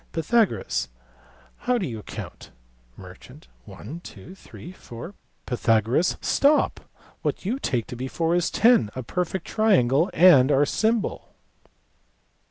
Pythagoras, " How do you count ]" Merchant, "One, two, three, four " Pythagoras, "Stop! what you take to be four is ten, a perfect triangle, and our symbol."